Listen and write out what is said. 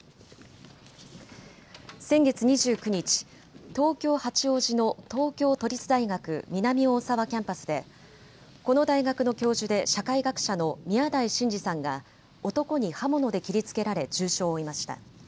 先月２９日、東京八王子の東京都立大学南大沢キャンパスでこの大学の教授で社会学者の宮台真司さんが男に刃物で切りつけられ重傷を負いました。